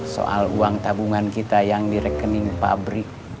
soal uang tabungan kita yang di rekening pabrik